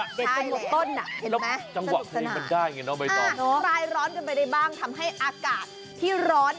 ไม่ต้องหมดต้นนะเห็นไหมสนุกสนานอ่ะคลายร้อนกันไปได้บ้างทำให้อากาศที่ร้อน